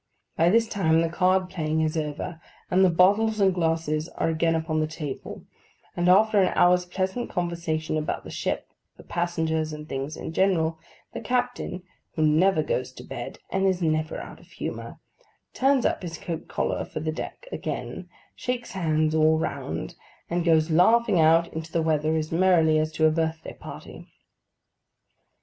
By this time the card playing is over, and the bottles and glasses are again upon the table; and after an hour's pleasant conversation about the ship, the passengers, and things in general, the captain (who never goes to bed, and is never out of humour) turns up his coat collar for the deck again; shakes hands all round; and goes laughing out into the weather as merrily as to a birthday party.